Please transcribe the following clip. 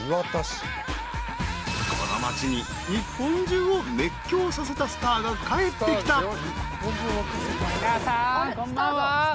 ［この町に日本中を熱狂させたスターが帰ってきた］